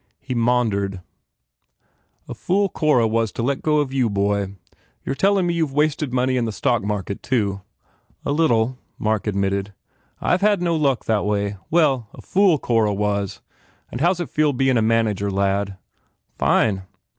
He maundered, "A fool Cora was to let go of you, bhoy. They re tellin me you ve made money in the stockmarket, too." "A little," Mark admitted. "I ve had no luck that way. Well, a fool Cora was. And how s it feel bein a manager, lad?" "Fine."